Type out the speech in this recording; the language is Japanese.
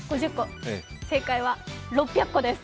正解は６００個です。